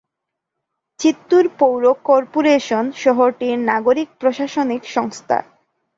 চিত্তুর পৌর কর্পোরেশন শহরটির নাগরিক প্রশাসনিক সংস্থা।